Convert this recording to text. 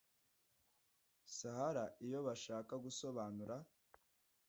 sahara iyo bashaka gusobanura